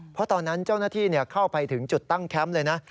เพราะตอนนั้นเจ้าหน้าที่เข้าไปถึงจุดตั้งแคมป์เลยนะ